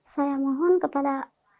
saya mohon kepada